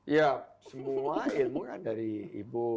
ya semua ilmu kan dari ibu